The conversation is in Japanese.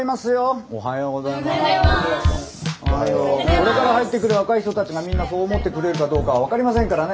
これから入ってくる若い人たちがみんなそう思ってくれるかどうかは分かりませんからね。